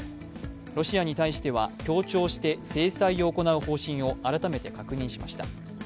ロシアに対しては協調して制裁を行う方針を改めて確認しました。